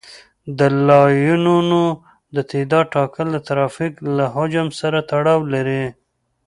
د لاینونو د تعداد ټاکل د ترافیک د حجم سره تړاو لري